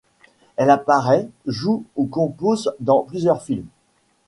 Elle apparaît, joue ou compose dans plusieurs films.